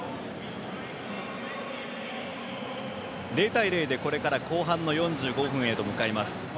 ０対０でこれから後半の４５分に向かいます。